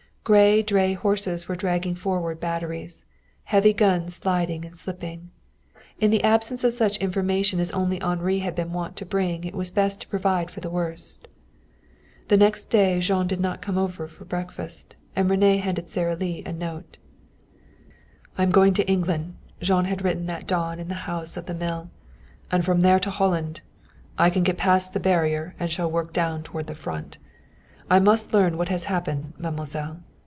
Great dray horses were dragging forward batteries, the heavy guns sliding and slipping In the absence of such information as only Henri had been wont to bring it was best to provide for the worst. The next day Jean did not come over for breakfast, and René handed Sara Lee a note. "I am going to England," Jean had written that dawn in the house of the mill. "And from there to Holland. I can get past the barrier and shall work down toward the Front. I must learn what has happened, mademoiselle.